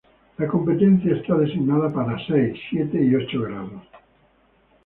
La competencia está designada para seis, siete y ocho grados.